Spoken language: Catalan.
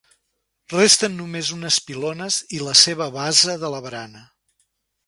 Resten només unes pilones i la seva basa de la barana.